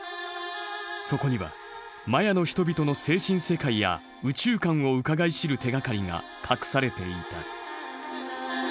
そこにはマヤの人々の精神世界や宇宙観をうかがい知る手がかりが隠されていた。